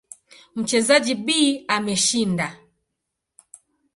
Mchezaji B ameshinda.